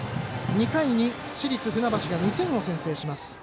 ２回に市立船橋が２点を先制します。